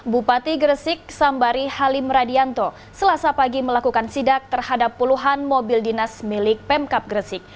bupati gresik sambari halim radianto selasa pagi melakukan sidak terhadap puluhan mobil dinas milik pemkap gresik